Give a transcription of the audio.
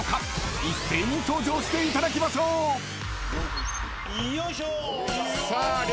［一斉に登場していただきましょう］よいしょ。